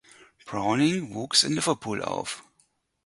Browning wuchs in Liverpool auf.